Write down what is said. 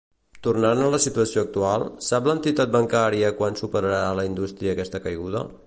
Tornant a la situació actual, sap l'entitat bancària quan superarà la indústria aquesta caiguda?